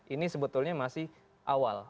ini sebetulnya masih awal